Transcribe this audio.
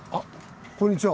こんにちは。